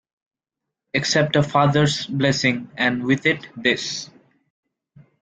Accept a father's blessing, and with it, this.